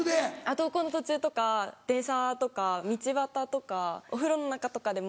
登校の途中とか電車とか道端とかお風呂の中とかでも。